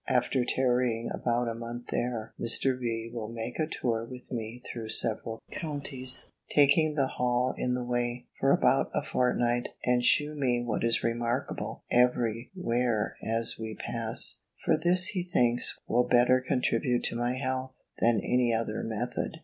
After tarrying about a month there, Mr. B. will make a tour with me through several counties (taking the Hall in the way) for about a fortnight, and shew me what is remarkable, every where as we pass; for this, he thinks, will better contribute to my health, than any other method.